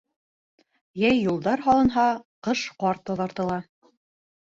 Йәй юлдар һалынһа, ҡыш ҡар таҙартыла.